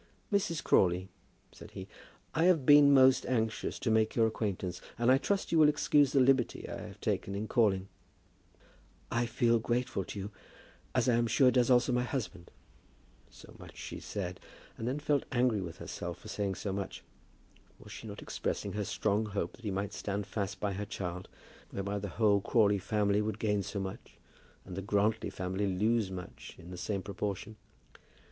"Mrs. Crawley," said he, "I have been most anxious to make your acquaintance, and I trust you will excuse the liberty I have taken in calling." "I feel grateful to you, as I am sure does also my husband." So much she said, and then felt angry with herself for saying so much. Was she not expressing her strong hope that he might stand fast by her child, whereby the whole Crawley family would gain so much, and the Grantly family lose much, in the same proportion?